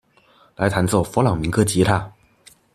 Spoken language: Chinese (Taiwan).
來彈奏佛朗明哥吉他